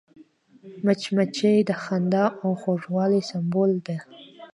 مچمچۍ د خندا او خوږوالي سمبول ده